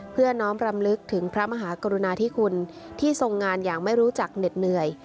เพื่อน้อมรำลึกถึงพระมหากรุณาธิคุณที่ทรงงานอย่างไม่รู้จักเหน็ดเหนื่อย